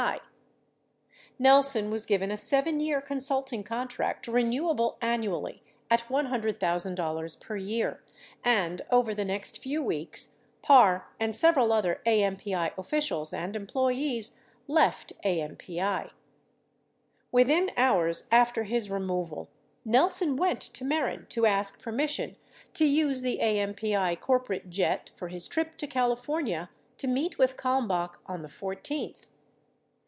35 Nelson was given a 7 year consulting contract renewable annually, at $100,000 per year, 36 and over the next few weeks Parr and several other AMPI officials and employees left AMPI. Within hours after his removal, Nelson went to Mehren to ask permission to use the AMPI corporate jet for his trip to California to meet with Kalmbach on the 14th.